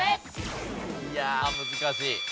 いやあ難しい。